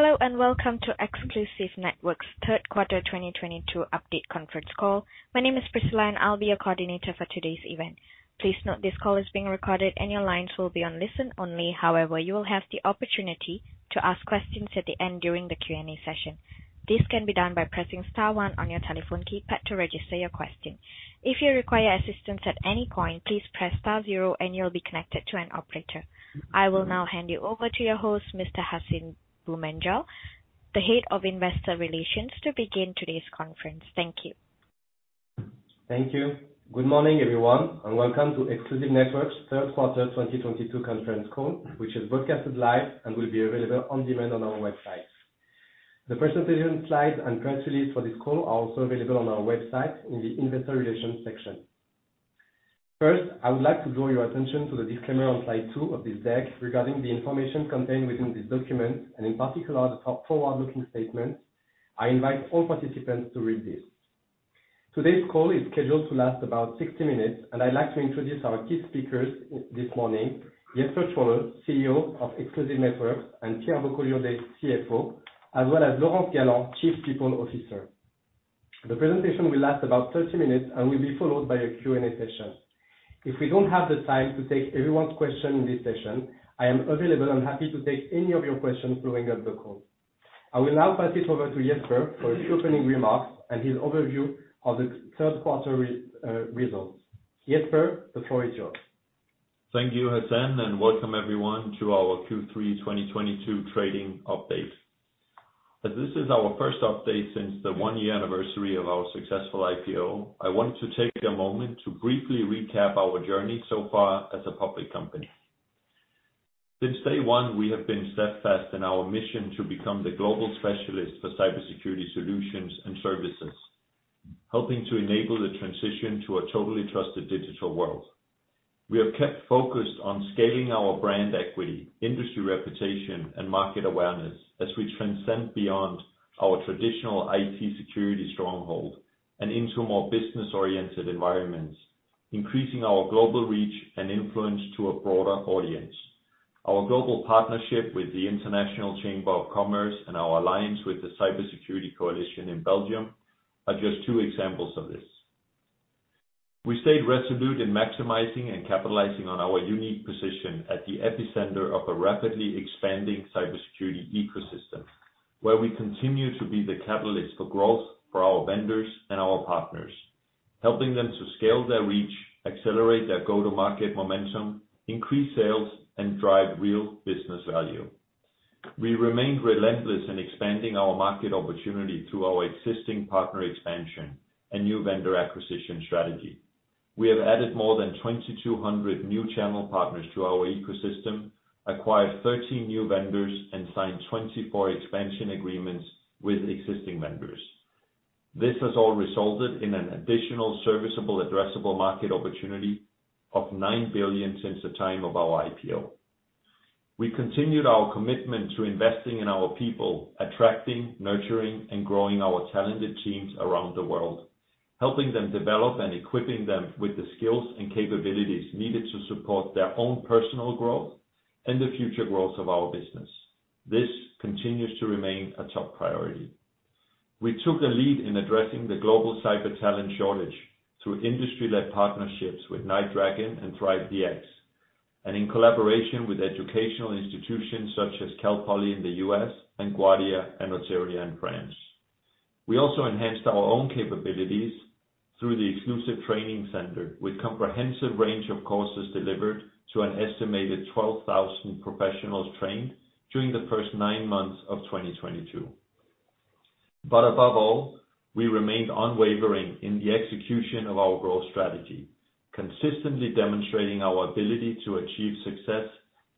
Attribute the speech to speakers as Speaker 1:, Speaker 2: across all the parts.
Speaker 1: Hello, and welcome to Exclusive Networks' Q3 2022 update conference call. My name is Priscilla, and I'll be your coordinator for today's event. Please note this call is being recorded, and your lines will be on listen only. However, you will have the opportunity to ask questions at the end during the Q&A session. This can be done by pressing star one on your telephone keypad to register your question. If you require assistance at any point, please press star zero and you'll be connected to an operator. I will now hand you over to your host, Mr.Hacène Boumendjel, Head of Investor Relations, to begin today's conference. Thank you.
Speaker 2: Thank you. Good morning, everyone, and welcome to Exclusive Networks' Q3 2022 conference call, which is broadcast live and will be available on demand on our website. The presentation slides and current release for this call are also available on our website in the investor relations section. First, I would like to draw your attention to the disclaimer on slide two of this deck regarding the information contained within this document and in particular, the forward-looking statement. I invite all participants to read this. Today's call is scheduled to last about 60 minutes, and I'd like to introduce our key speakers this morning, Jesper Trolle, CEO of Exclusive Networks, and Pierre Boccon-Liaudet, CFO, as well as Laurence Galland, Chief People Officer. The presentation will last about 30 minutes and will be followed by a Q&A session. If we don't have the time to take everyone's question in this session, I am available and happy to take any of your questions following up the call. I will now pass it over to Jesper for his opening remarks and his overview of the third quarter results. Jesper, the floor is yours.
Speaker 3: Thank you, Hacène, and welcome everyone to our Q3 2022 trading update. As this is our first update since the one-year anniversary of our successful IPO, I want to take a moment to briefly recap our journey so far as a public company. Since day one, we have been steadfast in our mission to become the global specialist for cybersecurity solutions and services, helping to enable the transition to a totally trusted digital world. We have kept focused on scaling our brand equity, industry reputation, and market awareness as we transcend beyond our traditional IT security stronghold and into more business-oriented environments, increasing our global reach and influence to a broader audience. Our global partnership with the International Chamber of Commerce and our alliance with the Cyber Security Coalition in Belgium are just two examples of this. We stayed resolute in maximizing and capitalizing on our unique position at the epicenter of a rapidly expanding cybersecurity ecosystem, where we continue to be the catalyst for growth for our vendors and our partners, helping them to scale their reach, accelerate their go-to-market momentum, increase sales, and drive real business value. We remained relentless in expanding our market opportunity through our existing partner expansion and new vendor acquisition strategy. We have added more than 2,200 new channel partners to our ecosystem, acquired 13 new vendors, and signed 24 expansion agreements with existing vendors. This has all resulted in an additional serviceable addressable market opportunity of 9 billion since the time of our IPO. We continued our commitment to investing in our people, attracting, nurturing, and growing our talented teams around the world, helping them develop and equipping them with the skills and capabilities needed to support their own personal growth and the future growth of our business. This continues to remain a top priority. We took the lead in addressing the global cyber talent shortage through industry-led partnerships with NightDragon and ThriveDX, and in collaboration with educational institutions such as Cal Poly in the U.S. and Guardia and Oteria in France. We also enhanced our own capabilities through the Exclusive Training Center, with comprehensive range of courses delivered to an estimated 12,000 professionals trained during the first nine months of 2022. Above all, we remained unwavering in the execution of our growth strategy, consistently demonstrating our ability to achieve success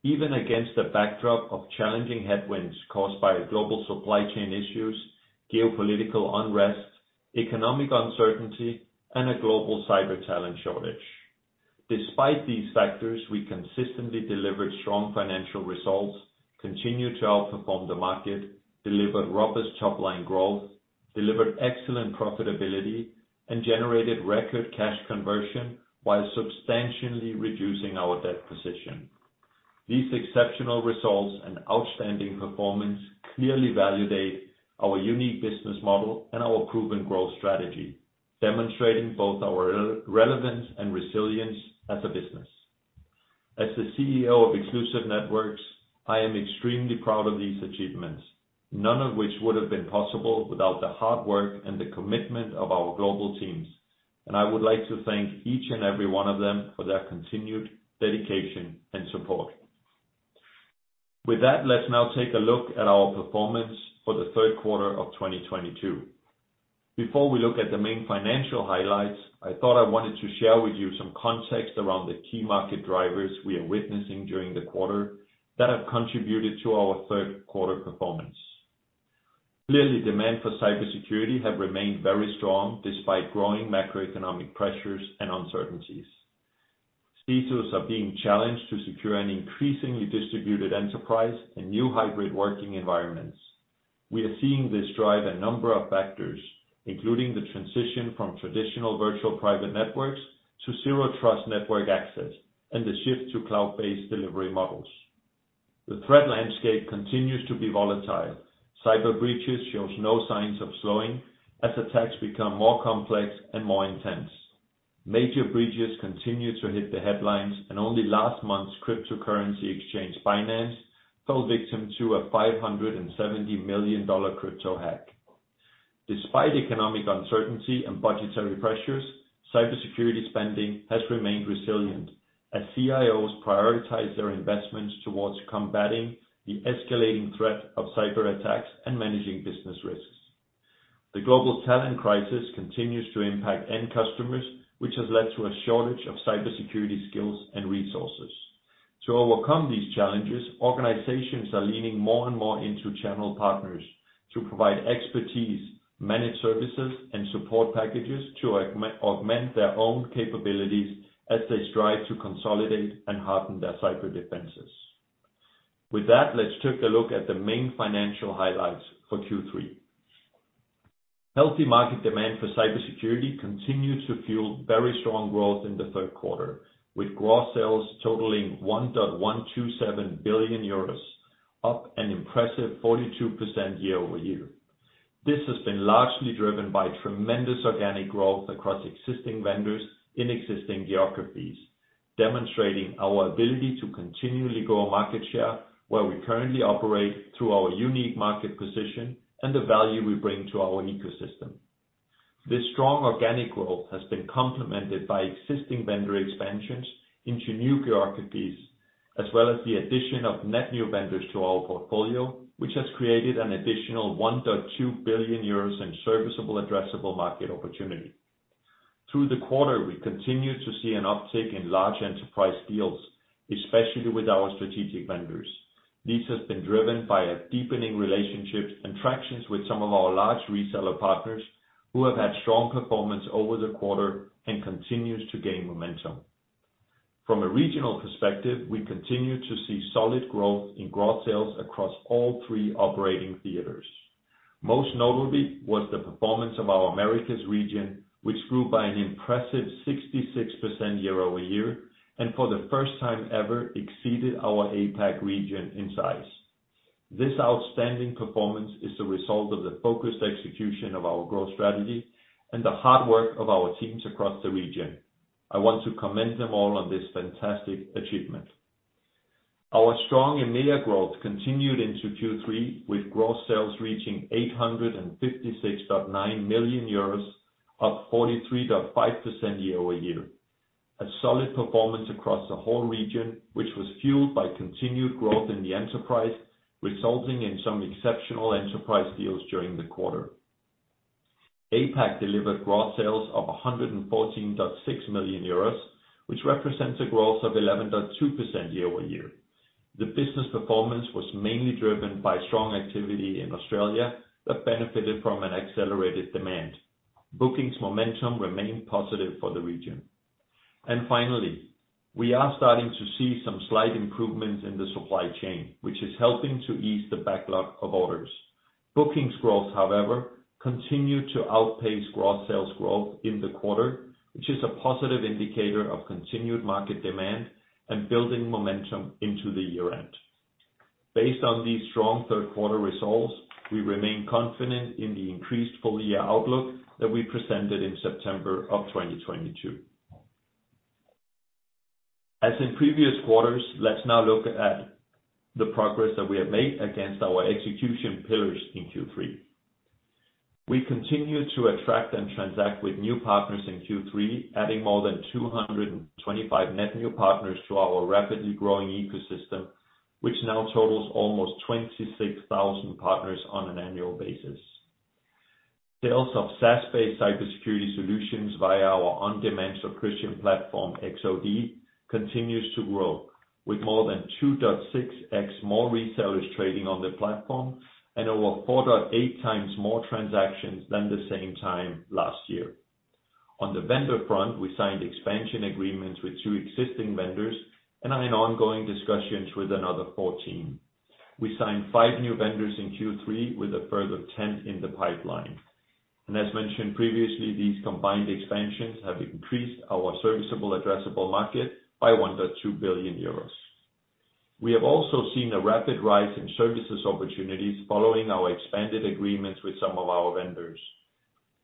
Speaker 3: even against a backdrop of challenging headwinds caused by global supply chain issues, geopolitical unrest, economic uncertainty, and a global cyber talent shortage. Despite these factors, we consistently delivered strong financial results, continued to outperform the market, delivered robust top-line growth, delivered excellent profitability, and generated record cash conversion while substantially reducing our debt position. These exceptional results and outstanding performance clearly validate our unique business model and our proven growth strategy, demonstrating both our relevance and resilience as a business. As the CEO of Exclusive Networks, I am extremely proud of these achievements, none of which would have been possible without the hard work and the commitment of our global teams, and I would like to thank each and every one of them for their continued dedication and support. With that, let's now take a look at our performance for the Q3 of 2022. Before we look at the main financial highlights, I thought I wanted to share with you some context around the key market drivers we are witnessing during the quarter that have contributed to our Q3 performance. Clearly, demand for cybersecurity has remained very strong despite growing macroeconomic pressures and uncertainties. CISOs are being challenged to secure an increasingly distributed enterprise and new hybrid working environments. We are seeing this drive a number of factors, including the transition from traditional virtual private networks to Zero Trust Network Access and the shift to cloud-based delivery models. The threat landscape continues to be volatile. Cyber breaches show no signs of slowing as attacks become more complex and more intense. Major breaches continue to hit the headlines, and only last month's cryptocurrency exchange, Binance, fell victim to a $570 million crypto hack. Despite economic uncertainty and budgetary pressures, cybersecurity spending has remained resilient as CIOs prioritize their investments towards combating the escalating threat of cyberattacks and managing business risks. The global talent crisis continues to impact end customers, which has led to a shortage of cybersecurity skills and resources. To overcome these challenges, organizations are leaning more and more into channel partners to provide expertise, managed services and support packages to augment their own capabilities as they strive to consolidate and harden their cyber defenses. With that, let's take a look at the main financial highlights for Q3. Healthy market demand for cybersecurity continued to fuel very strong growth in the third quarter, with gross sales totaling 1.127 billion euros, up an impressive 42% year-over-year. This has been largely driven by tremendous organic growth across existing vendors in existing geographies, demonstrating our ability to continually grow market share where we currently operate through our unique market position and the value we bring to our ecosystem. This strong organic growth has been complemented by existing vendor expansions into new geographies, as well as the addition of net new vendors to our portfolio, which has created an additional 1.2 billion euros in serviceable addressable market opportunity. Through the quarter, we continued to see an uptick in large enterprise deals, especially with our strategic vendors. This has been driven by a deepening relationships and traction with some of our large reseller partners who have had strong performance over the quarter and continues to gain momentum. From a regional perspective, we continue to see solid growth in gross sales across all three operating theaters. Most notably was the performance of our Americas region, which grew by an impressive 66% year-over-year, and for the first time ever exceeded our APAC region in size. This outstanding performance is the result of the focused execution of our growth strategy and the hard work of our teams across the region. I want to commend them all on this fantastic achievement. Our strong EMEA growth continued into Q3, with gross sales reaching 856.9 million euros, up 43.5% year-over-year. A solid performance across the whole region, which was fueled by continued growth in the enterprise, resulting in some exceptional enterprise deals during the quarter. APAC delivered gross sales of 114.6 million euros, which represents a growth of 11.2% year-over-year. The business performance was mainly driven by strong activity in Australia that benefited from an accelerated demand. Bookings momentum remained positive for the region. Finally, we are starting to see some slight improvements in the supply chain, which is helping to ease the backlog of orders. Bookings growth, however, continued to outpace gross sales growth in the quarter, which is a positive indicator of continued market demand and building momentum into the year-end. Based on these strong third quarter results, we remain confident in the increased full-year outlook that we presented in September of 2022. As in previous quarters, let's now look at the progress that we have made against our execution pillars in Q3. We continued to attract and transact with new partners in Q3, adding more than 225 net new partners to our rapidly growing ecosystem, which now totals almost 26,000 partners on an annual basis. Sales of SaaS-based cybersecurity solutions via our on-demand subscription platform, X-OD, continues to grow with more than 2.6x more resellers trading on the platform and over 4.8x more transactions than the same time last year. On the vendor front, we signed expansion agreements with two existing vendors and are in ongoing discussions with another 14. We signed five new vendors in Q3 with a further 10 in the pipeline. As mentioned previously, these combined expansions have increased our serviceable addressable market by 1.2 billion euros. We have also seen a rapid rise in services opportunities following our expanded agreements with some of our vendors.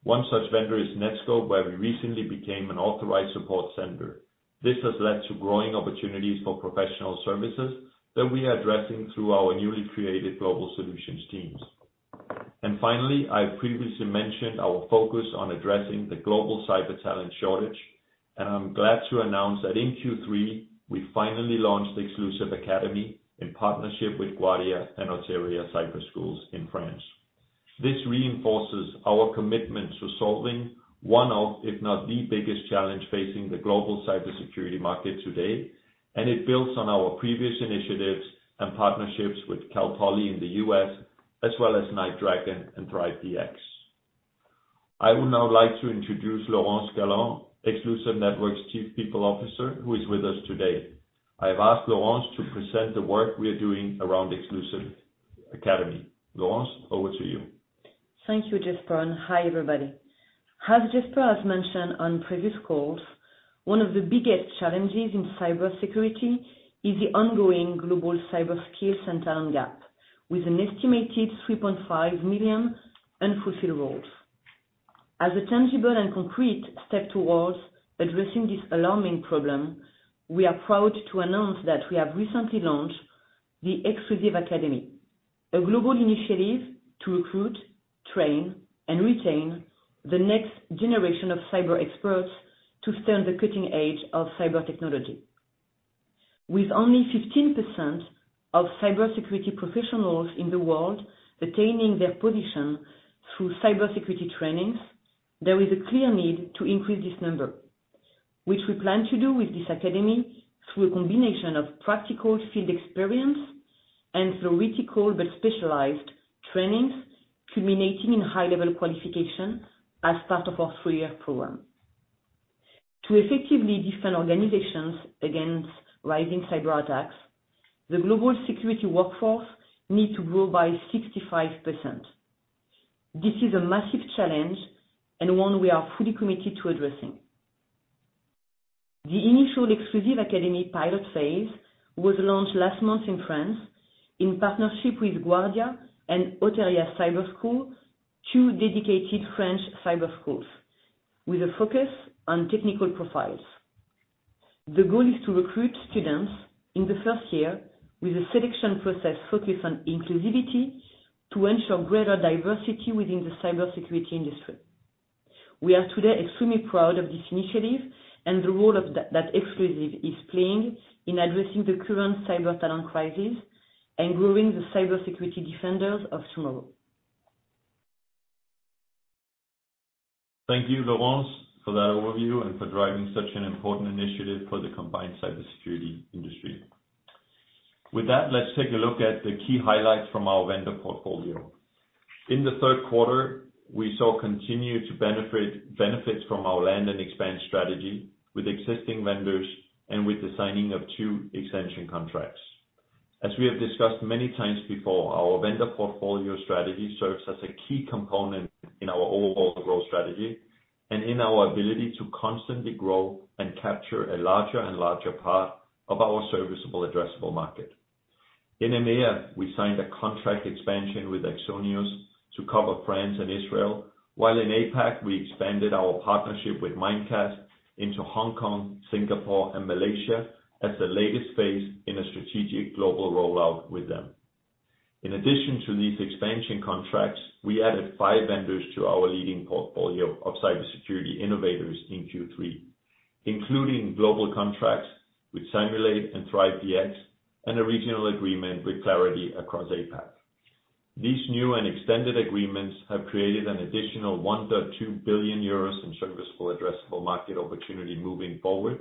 Speaker 3: One such vendor is Netskope, where we recently became an authorized support center. This has led to growing opportunities for professional services that we are addressing through our newly created global solutions teams. Finally, I previously mentioned our focus on addressing the global cyber talent shortage, and I'm glad to announce that in Q3, we finally launched the Exclusive Academy in partnership with Guardia and Oteria Cyber Schools in France. This reinforces our commitment to solving one of, if not the biggest challenge facing the global cybersecurity market today, and it builds on our previous initiatives and partnerships with Cal Poly in the U.S. as well as NightDragon and ThriveDX. I would now like to introduce Laurence Galland, Exclusive Networks' Chief People Officer, who is with us today. I have asked Laurence to present the work we are doing around Exclusive Academy. Laurence, over to you.
Speaker 4: Thank you, Jesper, and hi, everybody. As Jesper has mentioned on previous calls, one of the biggest challenges in cybersecurity is the ongoing global cyber skills and talent gap, with an estimated 3.5 million unfulfilled roles. As a tangible and concrete step towards addressing this alarming problem, we are proud to announce that we have recently launched the Exclusive Academy, a global initiative to recruit, train, and retain the next generation of cyber experts to stay on the cutting edge of cyber technology. With only 15% of cybersecurity professionals in the world attaining their position through cybersecurity trainings, there is a clear need to increase this number, which we plan to do with this academy through a combination of practical field experience and theoretical but specialized trainings, culminating in high-level qualification as part of our three-year program. To effectively defend organizations against rising cyberattacks, the global security workforce needs to grow by 65%. This is a massive challenge and one we are fully committed to addressing. The initial Exclusive Academy pilot phase was launched last month in France in partnership with Guardia Cybersecurity School and Oteria Cyber School, two dedicated French cyber schools with a focus on technical profiles. The goal is to recruit students in the first year with a selection process focused on inclusivity to ensure greater diversity within the cybersecurity industry. We are today extremely proud of this initiative and the role that Exclusive is playing in addressing the current cyber talent crisis and growing the cybersecurity defenders of tomorrow.
Speaker 3: Thank you, Laurence, for that overview and for driving such an important initiative for the combined cybersecurity industry. With that, let's take a look at the key highlights from our vendor portfolio. In the third quarter, we saw continued benefits from our land and expand strategy with existing vendors and with the signing of two extension contracts. As we have discussed many times before, our vendor portfolio strategy serves as a key component in our overall growth strategy and in our ability to constantly grow and capture a larger and larger part of our serviceable addressable market. In EMEA, we signed a contract expansion with Axonius to cover France and Israel, while in APAC, we expanded our partnership with Mimecast into Hong Kong, Singapore, and Malaysia as the latest phase in a strategic global rollout with them. In addition to these expansion contracts, we added five vendors to our leading portfolio of cybersecurity innovators in Q3, including global contracts with Cymulate and ThriveDX, and a regional agreement with Claroty across APAC. These new and extended agreements have created an additional 1.2 billion euros in serviceable addressable market opportunity moving forward,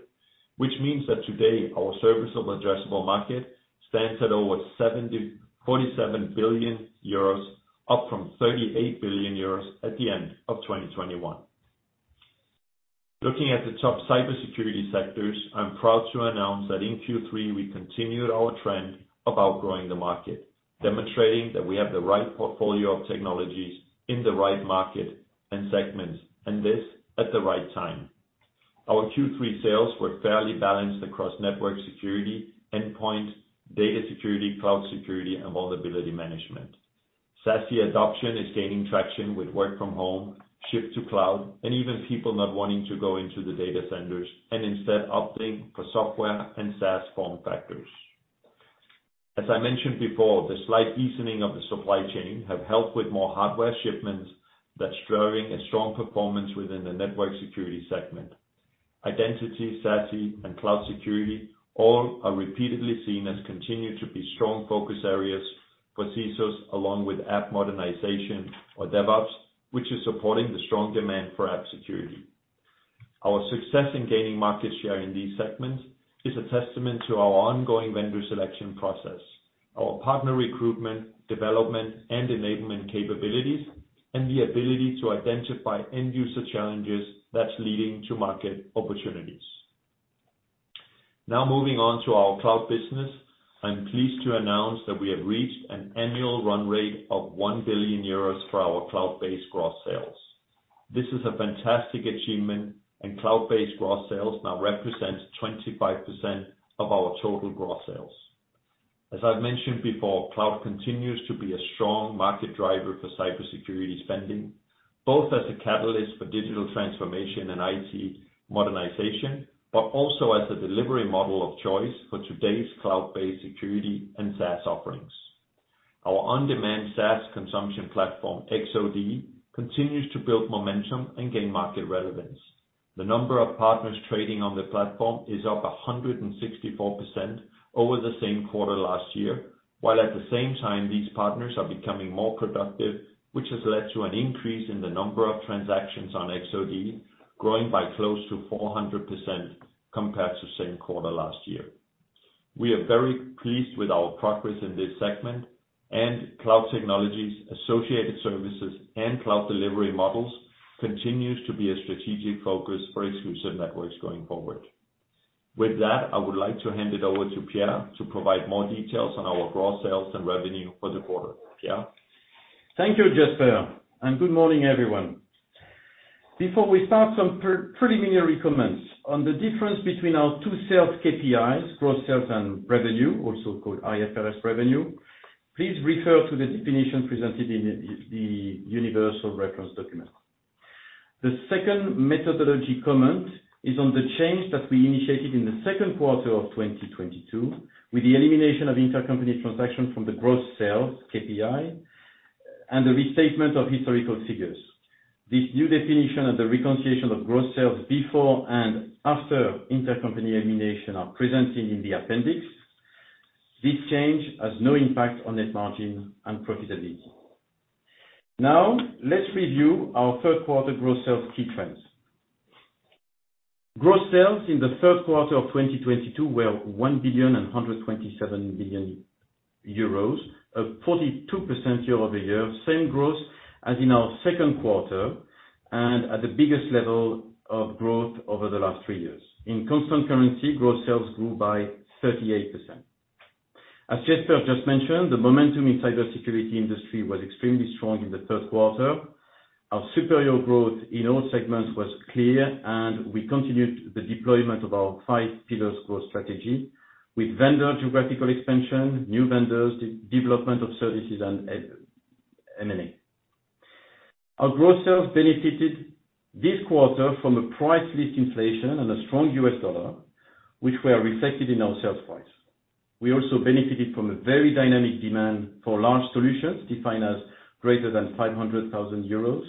Speaker 3: which means that today our serviceable addressable market stands at over 74 billion euros, up from 38 billion euros at the end of 2021. Looking at the top cybersecurity sectors, I'm proud to announce that in Q3, we continued our trend of outgrowing the market, demonstrating that we have the right portfolio of technologies in the right market and segments, and this at the right time. Our Q3 sales were fairly balanced across network security, endpoint, data security, cloud security, and vulnerability management. SASE adoption is gaining traction with work from home, shift to cloud, and even people not wanting to go into the data centers and instead opting for software and SaaS form factors. As I mentioned before, the slight easing of the supply chain have helped with more hardware shipments that's driving a strong performance within the network security segment. Identity, SASE, and cloud security all are repeatedly seen as continue to be strong focus areas for CISOs, along with app modernization or DevOps, which is supporting the strong demand for app security. Our success in gaining market share in these segments is a testament to our ongoing vendor selection process, our partner recruitment, development, and enablement capabilities, and the ability to identify end user challenges that's leading to market opportunities. Now moving on to our cloud business. I'm pleased to announce that we have reached an annual run rate of 1 billion euros for our cloud-based gross sales. This is a fantastic achievement, and cloud-based gross sales now represents 25% of our total gross sales. As I've mentioned before, cloud continues to be a strong market driver for cybersecurity spending, both as a catalyst for digital transformation and IT modernization, but also as a delivery model of choice for today's cloud-based security and SaaS offerings. Our on-demand SaaS consumption platform, X-OD, continues to build momentum and gain market relevance. The number of partners trading on the platform is up 164% over the same quarter last year, while at the same time, these partners are becoming more productive, which has led to an increase in the number of transactions on X-OD, growing by close to 400% compared to same quarter last year. We are very pleased with our progress in this segment and cloud technologies, associated services, and cloud delivery models continues to be a strategic focus for Exclusive Networks going forward. With that, I would like to hand it over to Pierre to provide more details on our gross sales and revenue for the quarter. Pierre?
Speaker 5: Thank you, Jesper, and good morning, everyone. Before we start, some preliminary comments on the difference between our two sales KPIs, gross sales and revenue, also called IFRS revenue. Please refer to the definition presented in the universal reference document. The second methodology comment is on the change that we initiated in the Q2 of 2022, with the elimination of intercompany transactions from the gross sales KPI and the restatement of historical figures. This new definition and the reconciliation of gross sales before and after intercompany elimination are presented in the appendix. This change has no impact on net margin and profitability. Now, let's review our Q3 gross sales key trends. Gross sales in the third quarter of 2022 were 1,127 million euros, a 42% year-over-year same growth as in ourQ2 and at the biggest level of growth over the last three years. In constant currency, gross sales grew by 38%. As Jesper just mentioned, the momentum in cybersecurity industry was extremely strong in the third quarter. Our superior growth in all segments was clear, and we continued the deployment of our five pillars growth strategy with vendor geographical expansion, new vendors, development of services and M&A. Our gross sales benefited this quarter from a price list inflation and a strong US dollar, which were reflected in our sales price. We also benefited from a very dynamic demand for large solutions, defined as greater than 500,000 euros,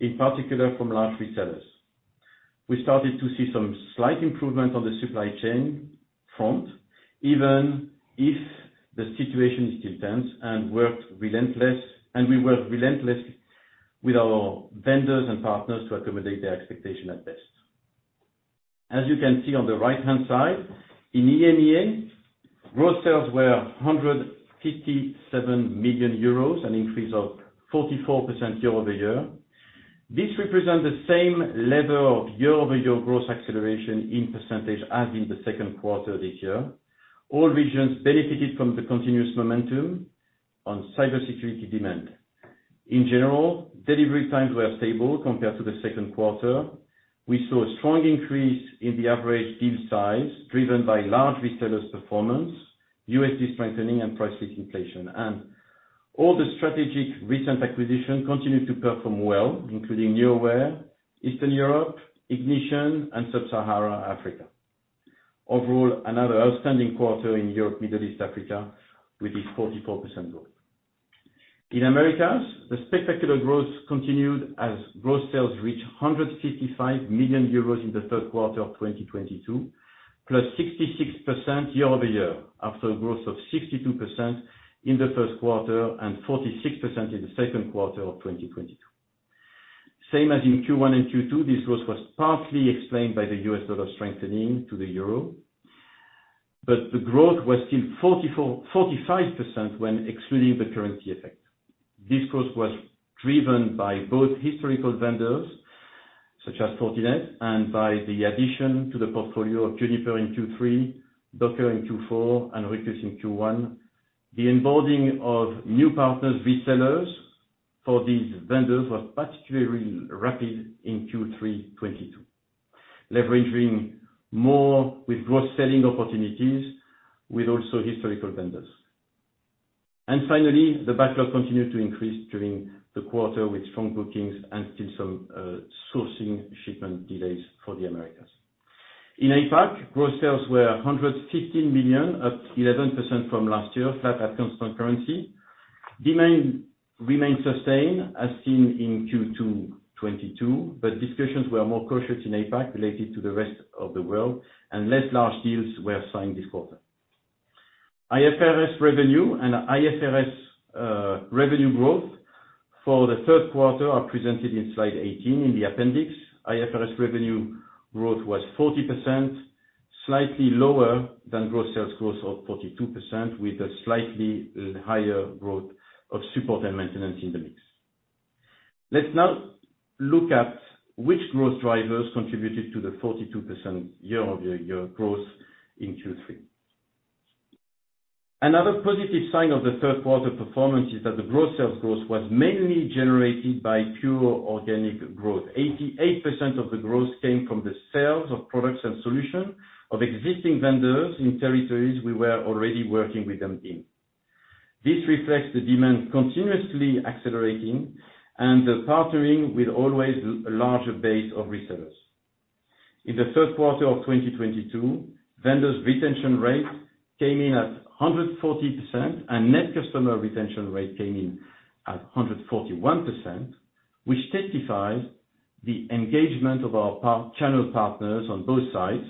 Speaker 5: in particular from large resellers. We started to see some slight improvement on the supply chain front, even if the situation is still tense, and we work relentlessly with our vendors and partners to accommodate their expectation at best. As you can see on the right-hand side, in EMEA, gross sales were 157 million euros, an increase of 44% year-over-year. This represents the same level of year-over-year growth acceleration in percentage as in the second quarter this year. All regions benefited from the continuous momentum on cybersecurity demand. In general, delivery times were stable compared to the second quarter. We saw a strong increase in the average deal size driven by large resellers performance, USD strengthening and price list inflation. All the strategic recent acquisitions continue to perform well, including Nuaware, Eastern Europe, Ignition Technology, and Sub-Saharan Africa. Overall, another outstanding quarter in Europe, Middle East, Africa with this 44% growth. In Americas, the spectacular growth continued as gross sales reached 155 million euros in the Q3 of 2022, +66% year-over-year, after a growth of 62% in the Q1 and 46% in the Q2 of 2022. Same as in Q1 and Q2, this growth was partly explained by the US dollar strengthening to the euro, but the growth was still 45% when excluding the currency effect. This growth was driven by both historical vendors such as Fortinet and by the addition to the portfolio of Juniper in Q3, Docker in Q4, and Rapid7 in Q1. The onboarding of new partners, resellers for these vendors was particularly rapid in Q3 2022, leveraging more with growth selling opportunities with also historical vendors. Finally, the backlog continued to increase during the quarter with strong bookings and still some sourcing shipment delays for the Americas. In APAC, gross sales were 115 million at 11% from last year, flat at constant currency. Demand remains sustained as seen in Q2 2022, but discussions were more cautious in APAC related to the rest of the world, and less large deals were signed this quarter. IFRS revenue and IFRS revenue growth for the third quarter are presented in slide 18 in the appendix. IFRS revenue growth was 40%, slightly lower than gross sales growth of 42%, with a slightly higher growth of support and maintenance in the mix. Let's now look at which growth drivers contributed to the 42% year-over-year growth in Q3. Another positive sign of the Q3 performance is that the gross sales growth was mainly generated by pure organic growth. 88% of the growth came from the sales of products and solutions of existing vendors in territories we were already working with them in. This reflects the demand continuously accelerating and the partnering with always a larger base of resellers. In the Q3 of 2022, vendors retention rate came in at 140%, and net customer retention rate came in at 141%, which testifies the engagement of our channel partners on both sides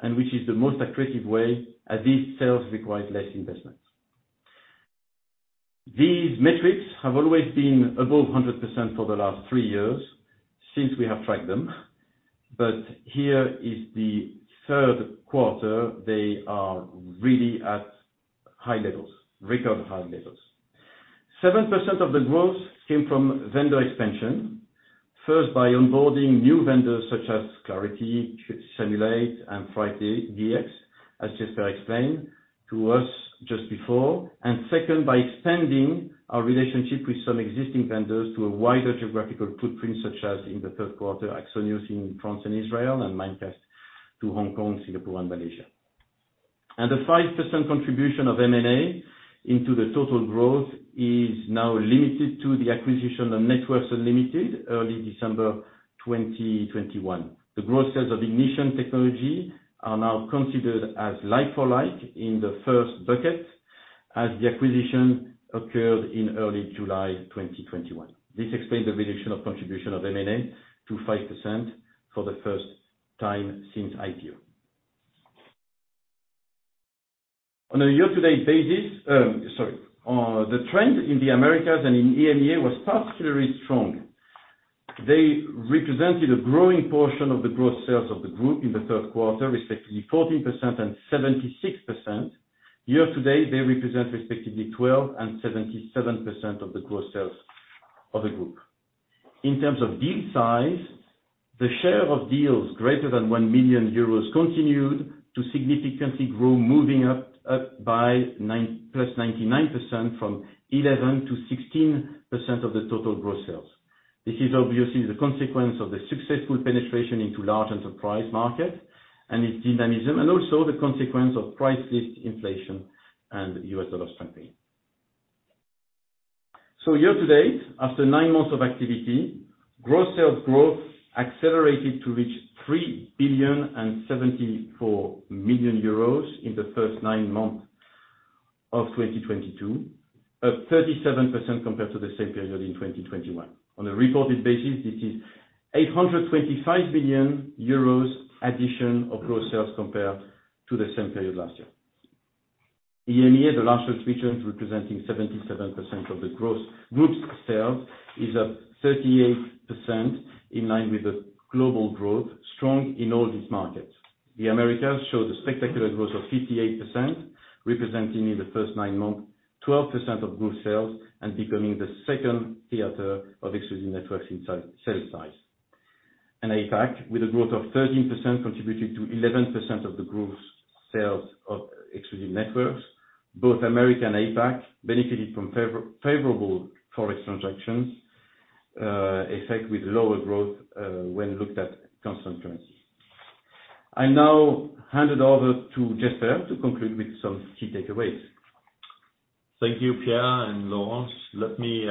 Speaker 5: and which is the most attractive way as these sales require less investments. These metrics have always been above 100% for the last three years since we have tracked them. In the third quarter, they are really at high levels, record high levels. 7% of the growth came from vendor expansion, first by onboarding new vendors such as Claroty, Cymulate, and ThriveDX, as Jesper explained to us just before. Second, by extending our relationship with some existing vendors to a wider geographical footprint, such as in the Q3, Axonius in France and Israel, and Mimecast to Hong Kong, Singapore, and Malaysia. The 5% contribution of M&A into the total growth is now limited to the acquisition of Networks Unlimited early December 2021. The gross sales of Ignition Technology are now considered as like for like in the first bucket as the acquisition occurred in early July 2021. This explains the reduction of contribution of M&A to 5% for the first time since IPO. The trend in the Americas and in EMEA was particularly strong. They represented a growing portion of the growth sales of the group in the Q3, respectively 14% and 76%. Year to date, they represent respectively 12% and 77% of the growth sales of the group. In terms of deal size, the share of deals greater than 1 million euros continued to significantly grow, moving up by 99% from 11%-16% of the total growth sales. This is obviously the consequence of the successful penetration into large enterprise market and its dynamism, and also the consequence of price list inflation and US dollar strengthening. Year to date, after nine months of activity, growth sales growth accelerated to reach 3.074 billion in the first nine months of 2022, up 37% compared to the same period in 2021. On a reported basis, this is 825 billion euros addition of growth sales compared to the same period last year. EMEA, the largest region representing 77% of the growth group's sales, is up 38% in line with the global growth, strong in all these markets. The Americas showed a spectacular growth of 58%, representing in the first nine months 12% of group sales and becoming the second theater of Exclusive Networks in sales size. APAC, with a growth of 13%, contributed to 11% of the group's sales of Exclusive Networks. Both America and APAC benefited from favorable forex effects with lower growth when looked at constant currency. I now hand it over to Jesper to conclude with some key takeaways.
Speaker 3: Thank you, Pierre and Laurence. Let me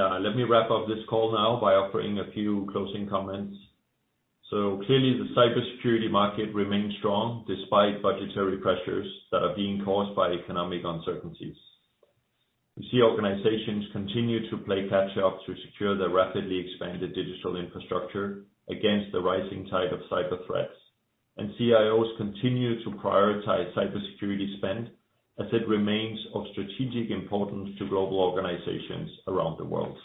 Speaker 3: wrap up this call now by offering a few closing comments. Clearly, the cybersecurity market remains strong despite budgetary pressures that are being caused by economic uncertainties. We see organizations continue to play catch up to secure their rapidly expanded digital infrastructure against the rising tide of cyber threats. CIOs continue to prioritize cybersecurity spend as it remains of strategic importance to global organizations around the world.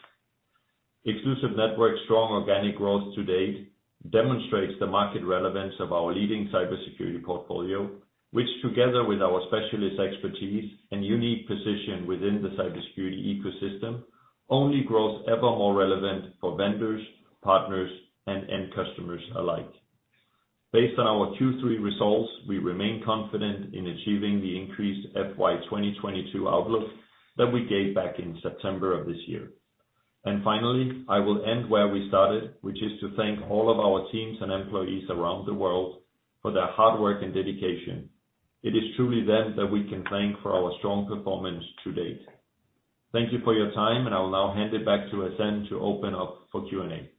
Speaker 3: Exclusive Networks' strong organic growth to date demonstrates the market relevance of our leading cybersecurity portfolio, which, together with our specialist expertise and unique position within the cybersecurity ecosystem, only grows ever more relevant for vendors, partners, and end customers alike. Based on our Q3 results, we remain confident in achieving the increased FY 2022 outlook that we gave back in September of this year. Finally, I will end where we started, which is to thank all of our teams and employees around the world for their hard work and dedication. It is truly them that we can thank for our strong performance to date. Thank you for your time, and I will now hand it back toHacène to open up for Q&A.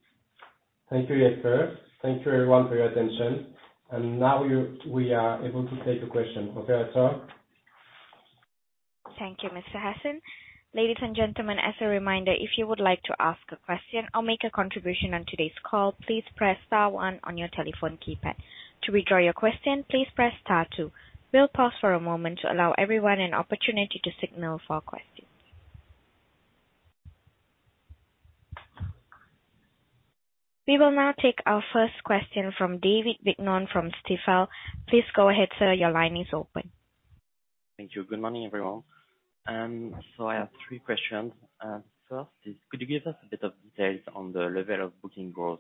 Speaker 2: Thank you, Jesper. Thank you everyone for your attention. Now we are able to take a question. Okay, Sarah.
Speaker 1: Thank you, Mr.Hacène Boumendjel. Ladies and gentlemen, as a reminder, if you would like to ask a question or make a contribution on today's call, please press star one on your telephone keypad. To withdraw your question, please press star two. We'll pause for a moment to allow everyone an opportunity to signal for questions. We will now take our first question from David Bignon from Stifel. Please go ahead, sir. Your line is open.
Speaker 6: Thank you. Good morning, everyone. I have three questions. First is could you give us a bit of details on the level of booking growth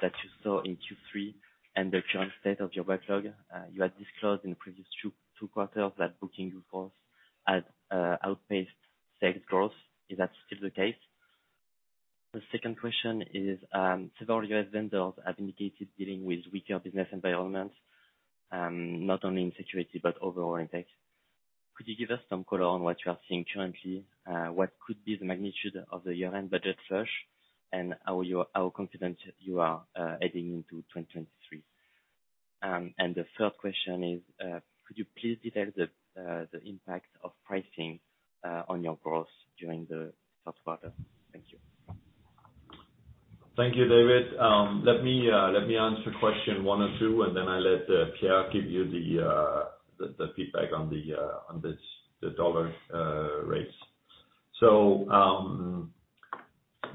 Speaker 6: that you saw in Q3 and the current state of your backlog? You had disclosed in the previous two quarters that booking growth had outpaced sales growth. Is that still the case? The second question is, several U.S. vendors have indicated dealing with weaker business environments, not only in security but overall impact. Could you give us some color on what you are seeing currently? What could be the magnitude of the year-end budget flush, and how confident are you heading into 2023? The third question is, could you please detail the impact of pricing on your growth during the Q1? Thank you.
Speaker 3: Thank you, David Bignon. Let me answer question one and two, and then I'll let Pierre Boccon-Liaudet give you the feedback on the dollar rates.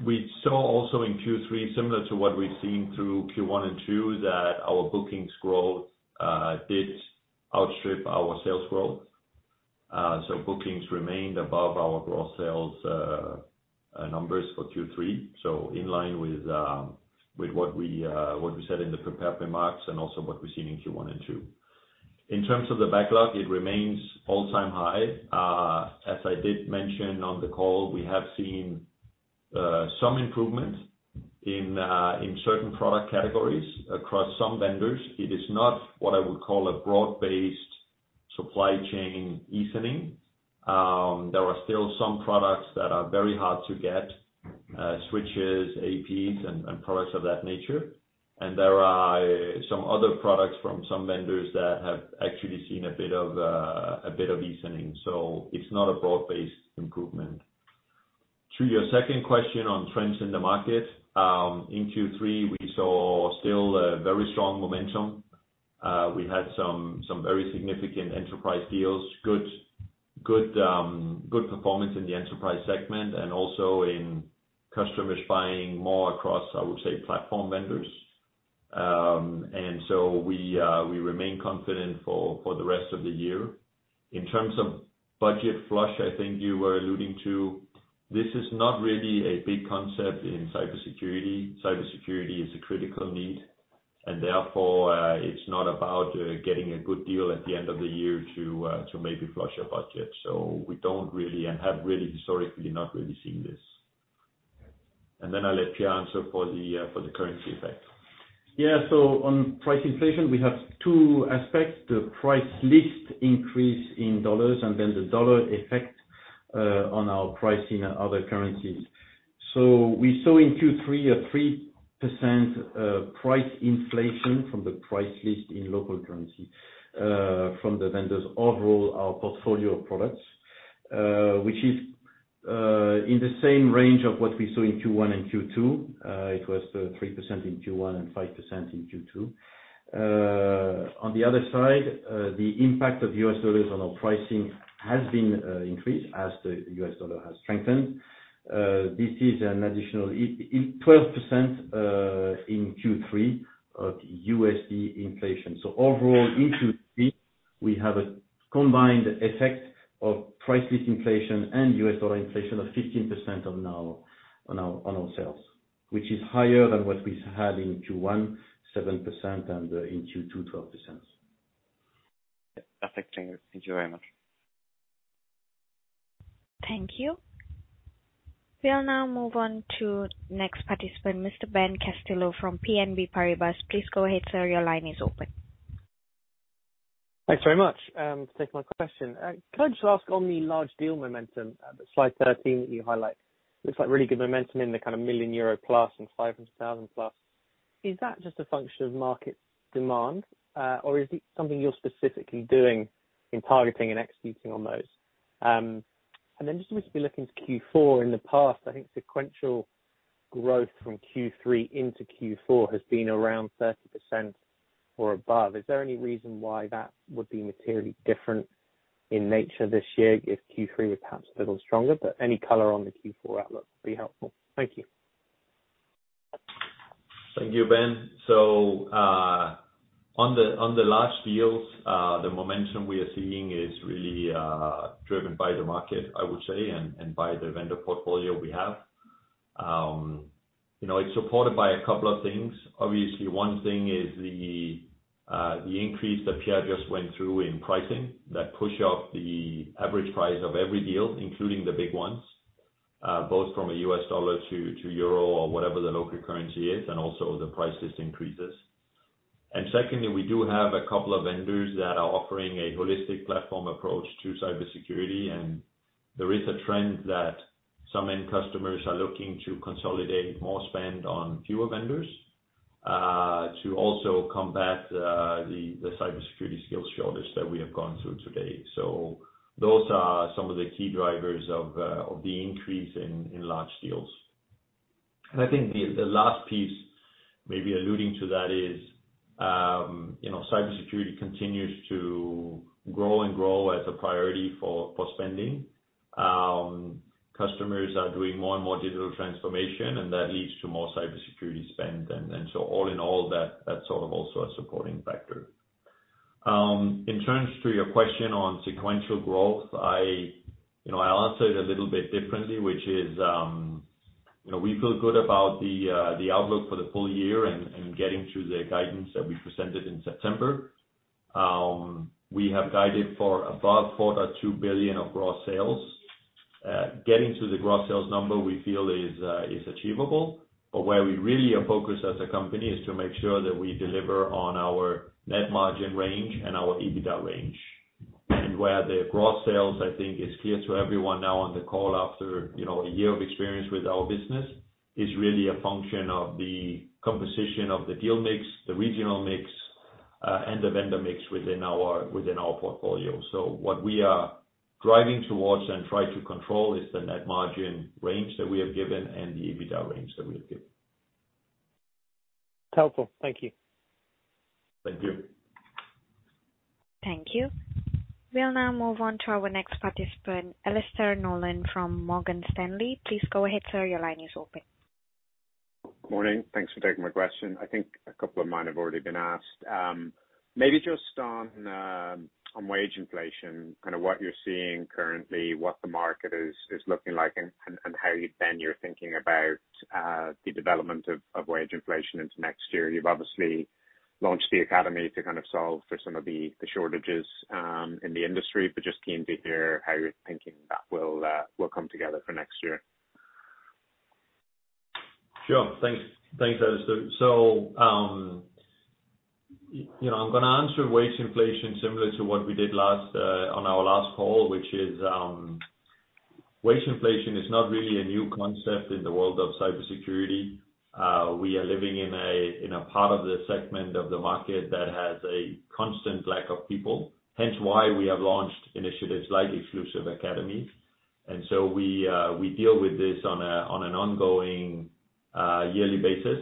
Speaker 3: We saw also in Q3, similar to what we've seen through Q1 and Q2, that our bookings growth did outstrip our sales growth. Bookings remained above our gross sales numbers for Q3. In line with what we said in the prepared remarks and also what we've seen in Q1 and Q2. In terms of the backlog, it remains all-time high. As I did mention on the call, we have seen some improvement in certain product categories across some vendors. It is not what I would call a broad-based supply chain easing. There are still some products that are very hard to get, switches, APs and products of that nature. There are some other products from some vendors that have actually seen a bit of easing. It's not a broad-based improvement. To your second question on trends in the market, in Q3, we saw still a very strong momentum. We had some very significant enterprise deals. Good performance in the enterprise segment and also in customers buying more across, I would say, platform vendors. We remain confident for the rest of the year. In terms of budget flush, I think you were alluding to, this is not really a big concept in cybersecurity. Cybersecurity is a critical need, and therefore, it's not about getting a good deal at the end of the year to maybe flush a budget. We don't really and haven't really historically not really seen this. Then I'll let Pierre answer for the currency effect.
Speaker 5: Yeah. On price inflation, we have two aspects, the price list increase in dollars and then the dollar effect on our pricing and other currencies. We saw in Q3 a 3% price inflation from the price list in local currency from the vendors overall, our portfolio of products, which is in the same range of what we saw in Q1 and Q2. It was 3% in Q1 and 5% in Q2. On the other side, the impact of US dollars on our pricing has been increased as the US dollar has strengthened. This is an additional 8%-12% in Q3 of USD inflation. Overall in Q3, we have a combined effect of price list inflation and US dollar inflation of 15% on our sales, which is higher than what we had in Q1, 7%, and in Q2, 12%.
Speaker 6: Perfect. Thank you. Thank you very much.
Speaker 1: Thank you. We'll now move on to next participant, Mr. Ben Castillo-Bernaus from Exane BNP Paribas. Please go ahead, sir. Your line is open.
Speaker 7: Thanks very much. Thanks for my question. Can I just ask on the large deal momentum, slide 13 that you highlight? Looks like really good momentum in the kind of 1 million euro plus and 500,000+. Is that just a function of market demand, or is it something you're specifically doing in targeting and executing on those? Just, we should be looking to Q4. In the past, I think sequential growth from Q3 into Q4 has been around 30% or above. Is there any reason why that would be materially different in nature this year if Q3 was perhaps a little stronger? Any color on the Q4 outlook would be helpful. Thank you.
Speaker 3: Thank you, Ben. On the large deals, the momentum we are seeing is really driven by the market, I would say, and by the vendor portfolio we have. You know, it's supported by a couple of things. Obviously, one thing is the increase that Pierre just went through in pricing that push up the average price of every deal, including the big ones, both from a US dollar to euro or whatever the local currency is, and also the price list increases. Secondly, we do have a couple of vendors that are offering a holistic platform approach to cybersecurity, and there is a trend that some end customers are looking to consolidate more spend on fewer vendors, to also combat the cybersecurity skills shortage that we have gone through today. Those are some of the key drivers of the increase in large deals. I think the last piece maybe alluding to that is, you know, cybersecurity continues to grow and grow as a priority for spending. Customers are doing more and more digital transformation, and that leads to more cybersecurity spend. All in all, that's sort of also a supporting factor. In terms of your question on sequential growth, you know, I'll answer it a little bit differently, which is, you know, we feel good about the outlook for the full year and getting to the guidance that we presented in September. We have guided for above 4.2 billion of gross sales. Getting to the gross sales number we feel is achievable. Where we really are focused as a company is to make sure that we deliver on our net margin range and our EBITDA range. Where the gross sales, I think is clear to everyone now on the call after, you know, a year of experience with our business, is really a function of the composition of the deal mix, the regional mix, and the vendor mix within our portfolio. What we are driving towards and try to control is the net margin range that we have given and the EBITDA range that we have given.
Speaker 7: Helpful. Thank you.
Speaker 3: Thank you.
Speaker 1: Thank you. We'll now move on to our next participant, Alistair Nolan from Morgan Stanley. Please go ahead, sir. Your line is open.
Speaker 8: Morning. Thanks for taking my question. I think a couple of mine have already been asked. Maybe just on wage inflation, kind of what you're seeing currently, what the market is looking like and how you're thinking about the development of wage inflation into next year. You've obviously launched the academy to kind of solve for some of the shortages in the industry, but just keen to hear how you're thinking that will come together for next year.
Speaker 3: Sure. Thanks. Thanks, Alistair. You know, I'm gonna answer wage inflation similar to what we did last on our last call, which is wage inflation is not really a new concept in the world of cybersecurity. We are living in a part of the segment of the market that has a constant lack of people, hence why we have launched initiatives like Exclusive Academy. We deal with this on an ongoing yearly basis.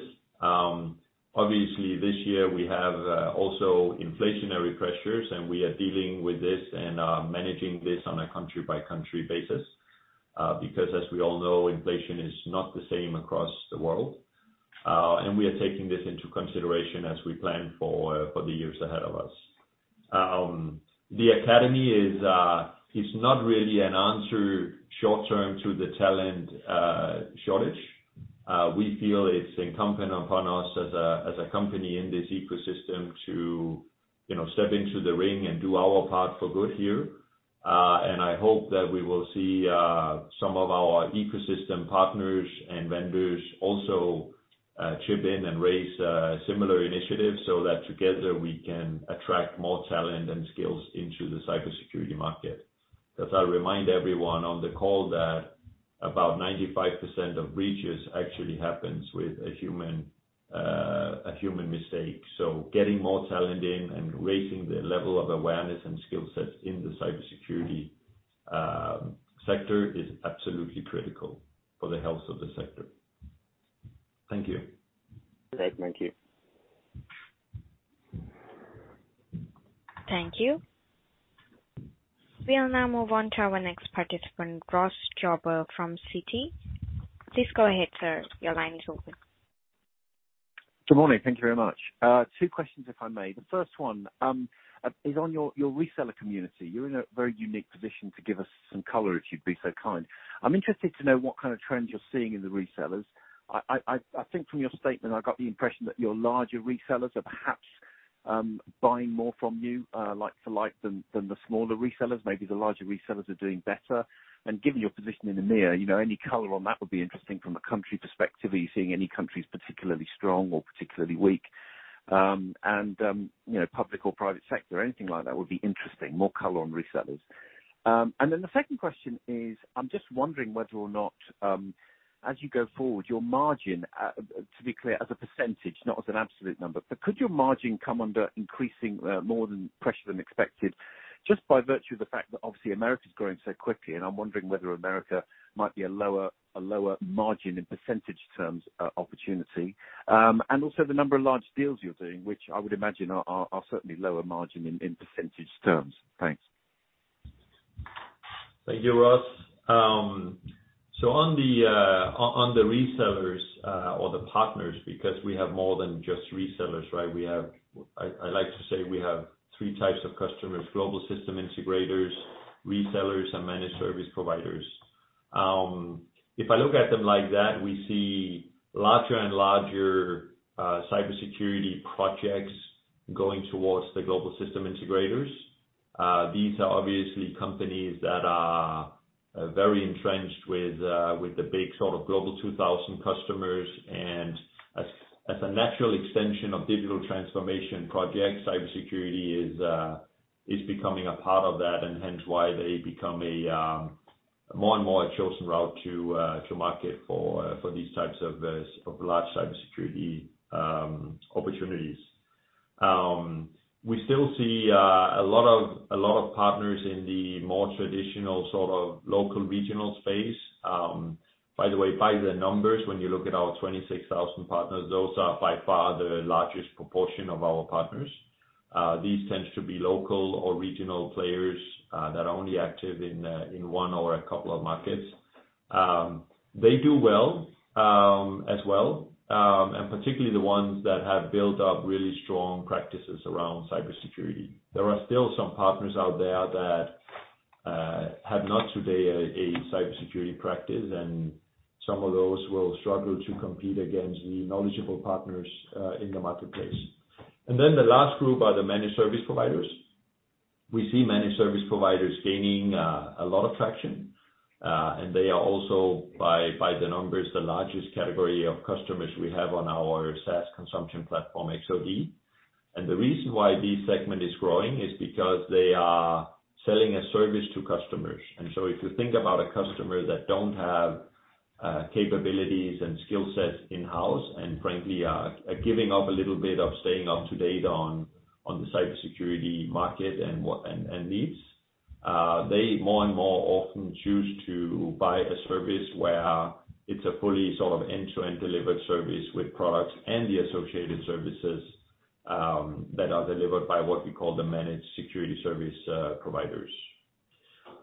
Speaker 3: Obviously this year we have also inflationary pressures, and we are dealing with this and managing this on a country by country basis, because as we all know, inflation is not the same across the world. We are taking this into consideration as we plan for the years ahead of us. The academy is not really an answer short term to the talent shortage. We feel it's incumbent upon us as a company in this ecosystem to, you know, step into the ring and do our part for good here. I hope that we will see some of our ecosystem partners and vendors also chip in and raise similar initiatives so that together we can attract more talent and skills into the cybersecurity market. As I remind everyone on the call that about 95% of breaches actually happens with a human mistake. Getting more talent in and raising the level of awareness and skill sets in the cybersecurity sector is absolutely critical for the health of the sector. Thank you.
Speaker 8: Great. Thank you.
Speaker 1: Thank you. We'll now move on to our next participant, Ross Jobber from Citi. Please go ahead, sir. Your line is open.
Speaker 9: Good morning. Thank you very much. Two questions if I may. The first one is on your reseller community. You're in a very unique position to give us some color, if you'd be so kind. I'm interested to know what kind of trends you're seeing in the resellers. I think from your statement, I got the impression that your larger resellers are perhaps buying more from you, like for like, than the smaller resellers. Maybe the larger resellers are doing better. Given your position in EMEA, you know, any color on that would be interesting from a country perspective. Are you seeing any countries particularly strong or particularly weak? You know, public or private sector, anything like that would be interesting, more color on resellers. The second question is, I'm just wondering whether or not, as you go forward, your margin, to be clear, as a percentage, not as an absolute number, but could your margin come under increasing pressure more than expected just by virtue of the fact that obviously America's growing so quickly, and I'm wondering whether America might be a lower margin in percentage terms opportunity. Also the number of large deals you're doing, which I would imagine are certainly lower margin in percentage terms. Thanks.
Speaker 3: Thank you, Ross. On the resellers or the partners, because we have more than just resellers, right? I like to say we have three types of customers: global system integrators, resellers, and managed service providers. If I look at them like that, we see larger and larger cybersecurity projects going towards the global system integrators. These are obviously companies that are very entrenched with the big sort of global 2000 customers. As a natural extension of digital transformation projects, cybersecurity is becoming a part of that and hence why they become more and more a chosen route to market for these types of large cybersecurity opportunities. We still see a lot of partners in the more traditional, sort of local regional space. By the way, by the numbers, when you look at our 26,000 partners, those are by far the largest proportion of our partners. These tends to be local or regional players that are only active in one or a couple of markets. They do well as well, and particularly the ones that have built up really strong practices around cybersecurity. There are still some partners out there that have not today a cybersecurity practice, and some of those will struggle to compete against the knowledgeable partners in the marketplace. The last group are the managed service providers. We see managed service providers gaining a lot of traction, and they are also by the numbers the largest category of customers we have on our SaaS consumption platform, X-OD. The reason why this segment is growing is because they are selling a service to customers. If you think about a customer that don't have capabilities and skill sets in-house, and frankly are giving up a little bit of staying up to date on the cybersecurity market and what needs, they more and more often choose to buy a service where it's a fully sort of end-to-end delivered service with products and the associated services that are delivered by what we call the managed security service providers.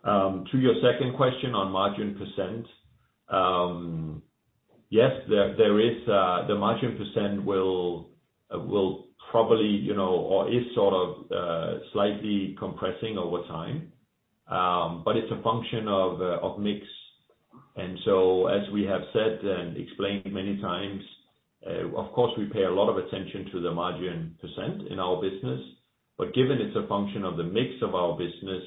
Speaker 3: To your second question on margin percent. Yes, there is the margin percent will probably, you know, or is sort of slightly compressing over time. But it's a function of mix. As we have said and explained many times, of course, we pay a lot of attention to the margin percent in our business, but given it's a function of the mix of our business,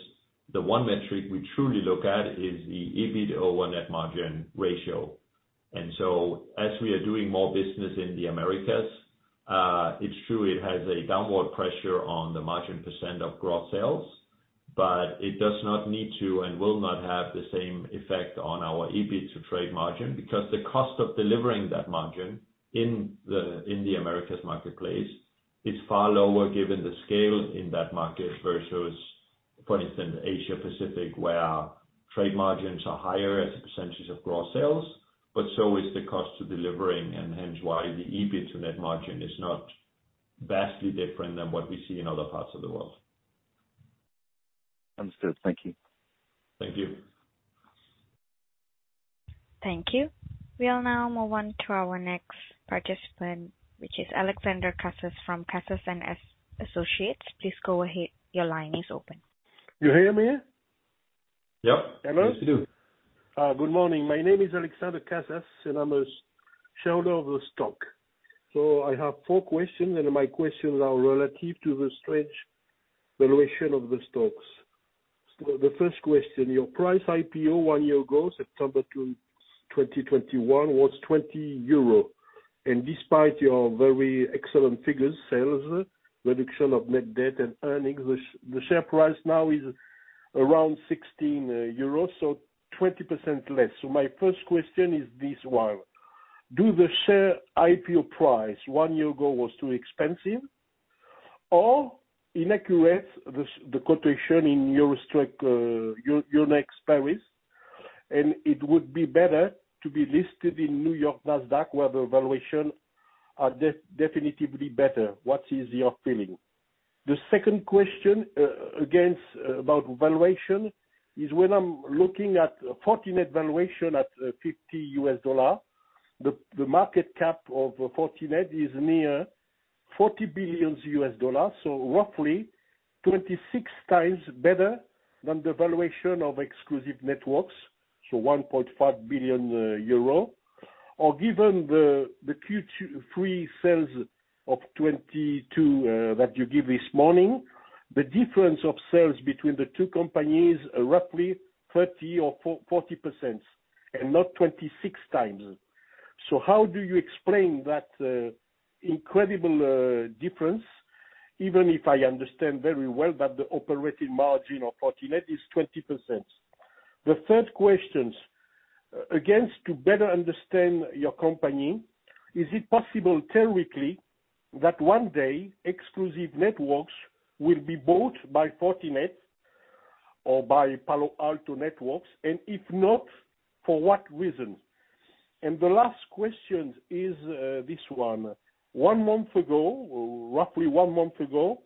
Speaker 3: the one metric we truly look at is the EBIT or net margin ratio. As we are doing more business in the Americas, it's true it has a downward pressure on the margin percent of gross sales. It does not need to and will not have the same effect on our EBIT-to-trade margin because the cost of delivering that margin in the Americas marketplace is far lower given the scale in that market versus, for instance, Asia-Pacific, where trade margins are higher as a percentage of gross sales, but so is the cost of delivering and hence why the EBIT-to-net margin is not vastly different than what we see in other parts of the world.
Speaker 9: Understood. Thank you.
Speaker 3: Thank you.
Speaker 1: Thank you. We'll now move on to our next participant, which is Alexandre Courtois from Berenberg. Please go ahead. Your line is open.
Speaker 10: You hear me?
Speaker 3: Yeah.
Speaker 10: Hello?
Speaker 3: Yes, we do.
Speaker 10: Good morning. My name is Alexandre de Courtois, and I'm a shareholder of the stock. I have four questions, and my questions are relative to the strange valuation of the stocks. The first question, your IPO price one year ago, September 2021 was 20 euro. And despite your very excellent figures, sales, reduction of net debt and earnings, the share price now is around 16 euros, so 20% less. My first question is this one. Do the share IPO price one year ago was too expensive or inaccurate the quotation in Euronext Paris, and it would be better to be listed in New York Nasdaq, where the valuation are definitely better. What is your feeling? The second question about valuation is when I'm looking at Fortinet valuation at $50, the market cap of Fortinet is near $40 billion, so roughly 26x better than the valuation of Exclusive Networks, so 1.5 billion euro. Given the Q2 FY 2022 sales that you give this morning, the difference of sales between the two companies are roughly 30 or 40% and not 26 times. How do you explain that incredible difference, even if I understand very well that the operating margin of Fortinet is 20%. The third question to better understand your company is it possible theoretically that one day Exclusive Networks will be bought by Fortinet or by Palo Alto Networks? If not, for what reason? The last question is this one. One month ago, roughly one month ago,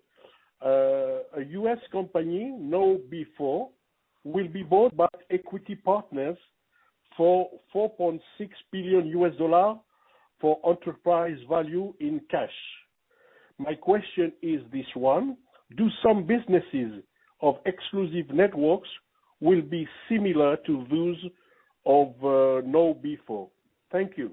Speaker 10: a U.S. company, KnowBe4, will be bought by Vista Equity Partners for $4.6 billion for enterprise value in cash. My question is this one. Do some businesses of Exclusive Networks will be similar to those of KnowBe4? Thank you.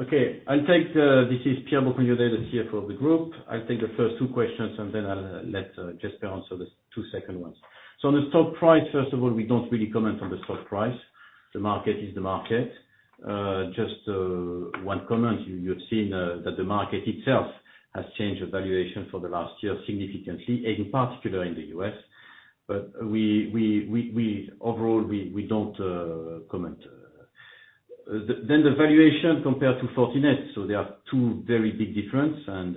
Speaker 5: Okay. This is Pierre Boccon-Liaudet, the CFO of the group. I'll take the first two questions, and then I'll let Jesper answer the two second ones. On the stock price, first of all, we don't really comment on the stock price. The market is the market. Just one comment. You've seen that the market itself has changed the valuation for the last year significantly, and in particular in the U.S. But overall, we don't comment. Then the valuation compared to Fortinet. There are two very big difference, and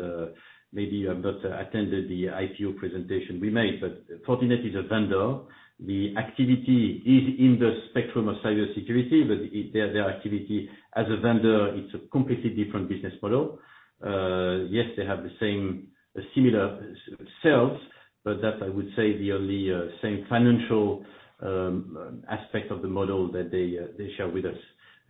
Speaker 5: maybe you have not attended the IPO presentation we made. But Fortinet is a vendor. The activity is in the spectrum of cybersecurity, but their activity as a vendor is a completely different business model. Yes, they have the same, similar sales, but that I would say the only same financial aspect of the model that they share with us.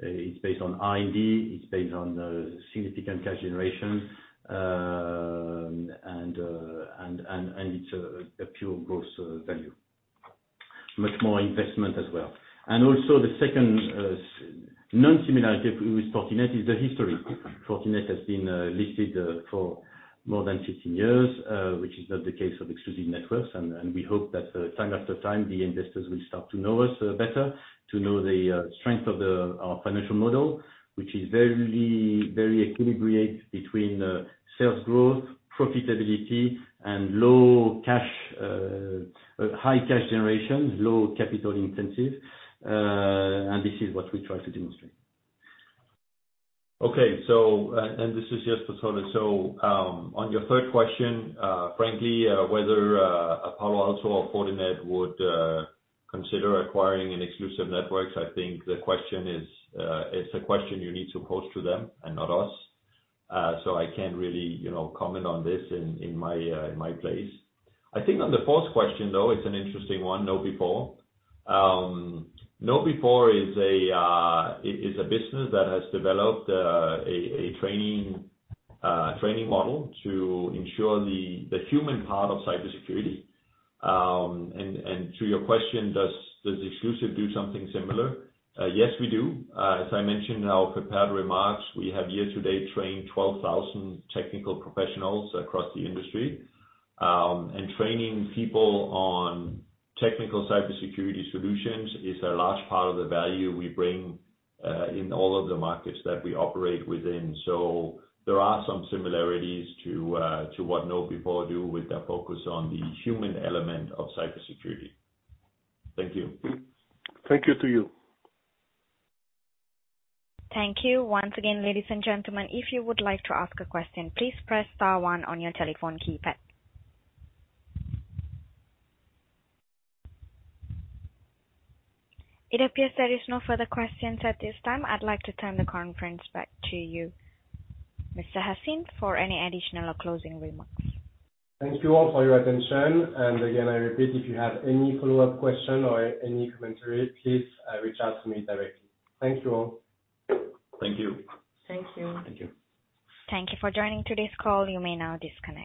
Speaker 5: It's based on R&D, it's based on significant cash generation, and it's a pure growth value. Much more investment as well. Also the second non-similarity with Fortinet is the history. Fortinet has been listed for more than 15 years, which is not the case of Exclusive Networks. We hope that time after time, the investors will start to know us better, to know the strength of our financial model, which is very equilibrated between sales growth, profitability, and low capex, high cash generation, low capital intensive. This is what we try to demonstrate. Okay.
Speaker 3: This is Jesper Trolle. On your third question, frankly, whether Palo Alto Networks or Fortinet would consider acquiring Exclusive Networks, I think the question is, it's a question you need to pose to them and not us. I can't really, you know, comment on this in my place. I think on the fourth question, though, it's an interesting one. KnowBe4. KnowBe4 is a business that has developed a training model to ensure the human part of cybersecurity. To your question, does Exclusive do something similar? Yes, we do. As I mentioned in our prepared remarks, we have year to date trained 12,000 technical professionals across the industry. Training people on technical cybersecurity solutions is a large part of the value we bring in all of the markets that we operate within. There are some similarities to what KnowBe4 do with their focus on the human element of cybersecurity. Thank you.
Speaker 10: Thank you to you.
Speaker 1: Thank you. Once again, ladies and gentlemen, if you would like to ask a question, please press star one on your telephone keypad. It appears there is no further questions at this time. I'd like to turn the conference back to you, Mr. Hacène, for any additional closing remarks.
Speaker 2: Thank you all for your attention. Again, I repeat, if you have any follow-up question or any commentary, please, reach out to me directly. Thank you all.
Speaker 3: Thank you.
Speaker 4: Thank you.
Speaker 2: Thank you.
Speaker 1: Thank you for joining today's call. You may now disconnect.